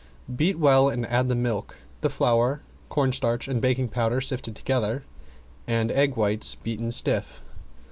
Beat well and add the milk, the flour, cornstarch, and baking powder sifted together, and egg whites beaten stiff.